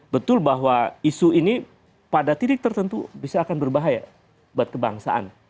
betul bahwa isu ini pada titik tertentu bisa akan berbahaya buat kebangsaan